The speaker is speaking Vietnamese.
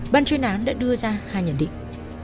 ban chuyên án đã đưa ra hai nhận định